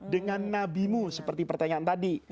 dengan nabimu seperti pertanyaan tadi